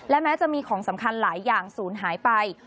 แม้จะมีของสำคัญหลายอย่างศูนย์หายไป